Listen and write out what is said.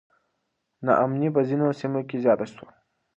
نا امني په ځینو سیمو کې زیاته سوه.